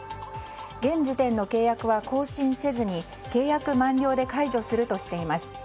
現時点の契約は更新せずに契約満了で解除するとしています。